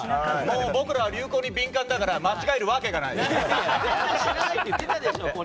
僕ら流行に敏感だから間違えるわけがない！